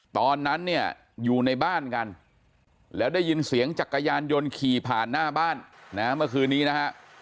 ตอนนั้นเนี่ยอยู่ในบ้านกันแล้วได้ยินเสียงจักรยานยนต์ขี่ผ่านหน้าบ้านนะเมื่อคืนนี้นะฮะ